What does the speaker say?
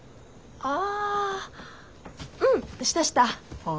ああうんしたした。